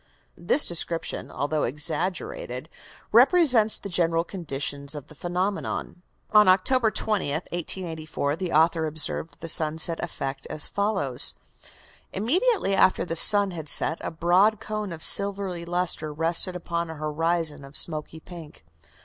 This description, although exaggerated, represents the general conditions of the phenomenon. On October 20th, 1884, the author observed the sunset effect as follows: "Immediately after the sun had set, a broad cone of silvery lustre rested upon a horizon of smoky pink.